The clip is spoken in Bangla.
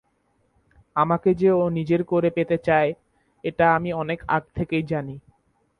আমাকে যে ও নিজের করে পেতে চাই, এইটা আমি অনেক আগ থেকেই জানি।